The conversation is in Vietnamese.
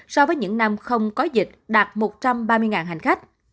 so với những năm không có dịch đạt một trăm ba mươi hành khách